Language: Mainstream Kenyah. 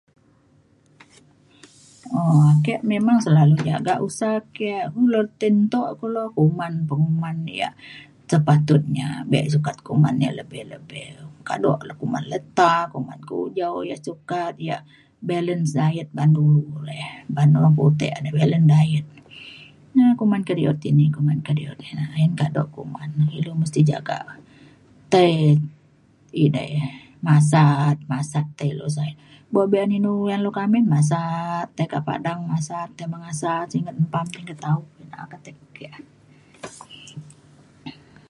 um ake memang selalu jaga usa ke ti ntok kulo kuman penguman ia' sepatutnya bek sukat kuman ia' lebih lebih kado lan kuman leta kuman kujau ia' sukat ia' balance diet ban dulu laya ban orang putek balance diet kuman kediut kini kediut kina ayen kado kuman ilu mesti jaga tai edei masat masat tai ilu sai. bo be inu uyan ilu ka amin masat tai ka padang masat tai mengasa singget mpam singget taup [unintelligible]